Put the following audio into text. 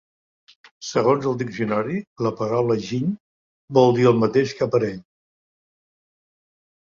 Segons el diccionari, la paraula "giny" vol dir el mateix que "aparell".